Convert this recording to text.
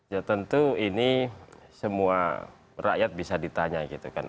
ya tentu ini semua rakyat bisa ditanya gitu kan